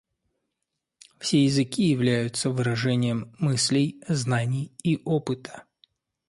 Все языки являются выражением мыслей, знаний и опыта.